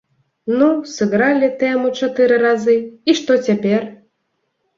Ну, сыгралі тэму чатыры разы, і што цяпер?